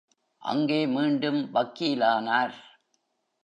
அங்கே மீண்டும் வக்கீலானார்!